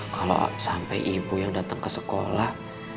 kalau sampai ibu yang datang ke sekolah